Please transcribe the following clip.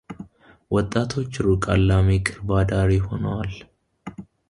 ወጣቶች ሩቅ አላሚ ቅርብ አዳሪ ሆነዋል።